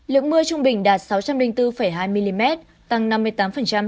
lượng mưa trung bình đạt sáu trăm linh bốn hai mm